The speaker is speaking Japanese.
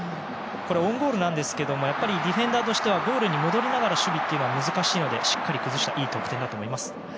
オウンゴールなんですけどディフェンダーとしてはゴールに戻りながらの守備は難しいので、しっかりと崩したいい得点だと思います。